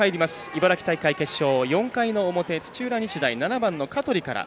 茨城大会決勝４回の表、土浦日大７番の香取から。